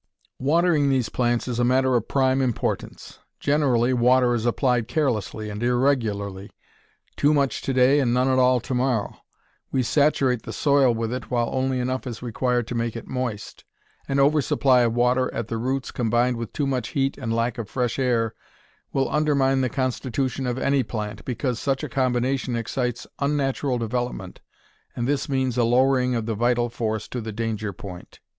Watering these plants is a matter of prime importance. Generally water is applied carelessly and irregularly too much to day, and none at all to morrow. We saturate the soil with it while only enough is required to make it moist. An over supply of water at the roots, combined with too much heat and lack of fresh air, will undermine the constitution of any plant, because such a combination excites unnatural development, and this means a lowering of the vital force to the danger point.